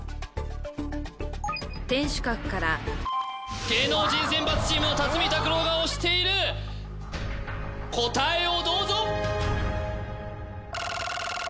天守閣から芸能人選抜チーム辰巳琢郎が押している答えをどうぞ！